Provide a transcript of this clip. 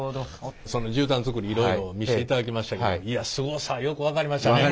その絨毯づくりいろいろ見していただきましたけどいやすごさよく分かりましたね。